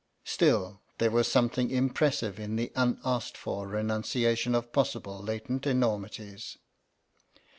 Still, there was something im pressive in this unasked for renunciation of possibly latent enormities.